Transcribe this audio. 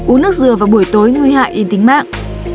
uống nước dừa vào buổi tối nguy hại đến tính mạng